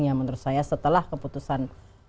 yang menurut saya setelah keputusan